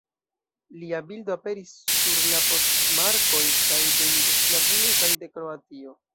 Lia bildo aperis sur poŝtmarkoj kaj de Jugoslavio kaj de Kroatio.